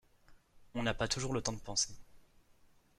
On n'a pas toujours le temps de penser.